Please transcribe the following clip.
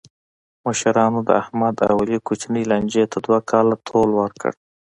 مشرانو د احمد او علي کوچنۍ لانجې ته دوه کاله طول ورکړ.